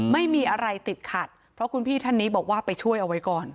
ไม่มีอะไรติดขัดเพราะคุณพี่ท่านนี้บอกว่าไปช่วยเอาไว้ก่อน